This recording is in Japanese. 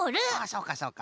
そうかそうか。